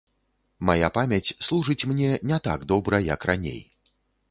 Мая памяць служыць мне не так добра, як раней.